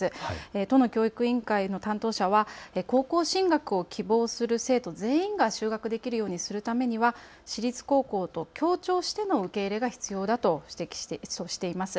都の教育委員会の担当者は高校進学を希望する生徒全員が就学できるようにするためには私立高校と協調しての受け入れが必要だと指摘しています。